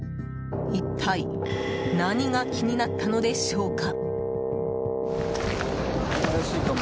一体何が気になったのでしょうか。